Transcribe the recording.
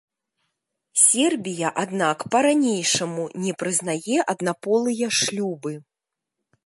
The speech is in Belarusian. Сербія, аднак, па-ранейшаму не прызнае аднаполыя шлюбы.